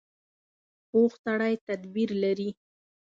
پوخ سړی تدبیر لري